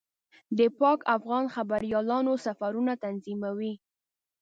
د پاک افغان خبریالانو سفرونه تنظیموي.